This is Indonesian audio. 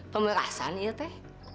pemerasan ya teh